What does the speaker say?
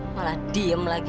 malah diem lagi